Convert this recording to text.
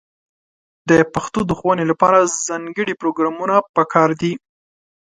د پښتو د ښوونې لپاره ځانګړې پروګرامونه په کار دي.